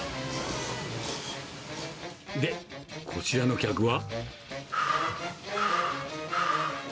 で、こちらの客は。